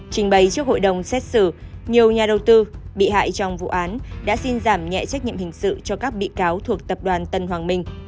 trình bày trước hội đồng xét xử nhiều nhà đầu tư bị hại trong vụ án đã xin giảm nhẹ trách nhiệm hình sự cho các bị cáo thuộc tập đoàn tân hoàng minh